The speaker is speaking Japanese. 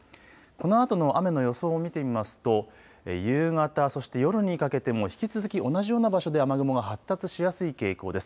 このあとの雨の予想を見てみますと夕方、そして夜にかけても引き続き同じような場所で雨雲が発達しやすい傾向です。